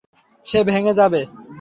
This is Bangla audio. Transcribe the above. সে ভেঙে যাবে।